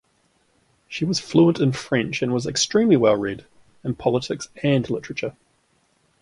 She was fluent in French and was "extremely well read" in politics and literature.